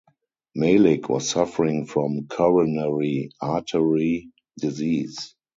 Malik was suffering from coronary artery disease.